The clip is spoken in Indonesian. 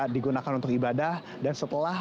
digunakan untuk ibadah dan setelah